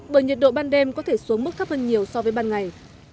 bởi nhiệt độ ban đêm có thể xuống mức thấp hơn nhiều so với ban ngày